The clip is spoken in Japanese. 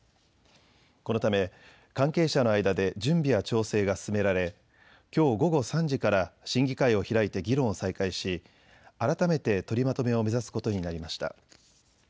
このため関係者の間で準備や調整が進められ、きょう午後３時から審議会を開いて議論を再開し改めて取りまとめを目指すことになりました。